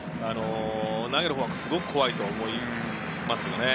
投げるほうはすごく怖いと思いますけどね。